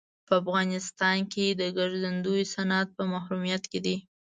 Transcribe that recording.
په افغانستان کې د ګرځندوی صنعت په محرومیت کې دی.